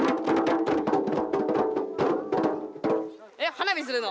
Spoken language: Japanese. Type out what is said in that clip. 花火するの？